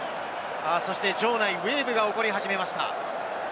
場内、ウェーブが起こり始めました。